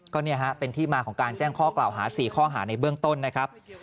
ก็เนี่ยฮะเป็นที่มาของการแจ้งข้อกล่าวหา๔ข้อหาในเบื้องต้นนะครับ